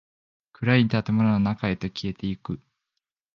暗い建物の中へと消えていく。